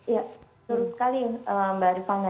ya menurut sekali mbak rifang